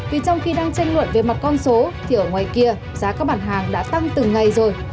vì trong khi đang tranh luận về mặt con số thì ở ngoài kia giá các bản hàng đã tăng từng ngày rồi